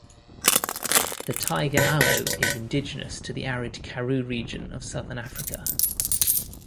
The tiger aloe is indigenous to the arid Karoo region of southern Africa.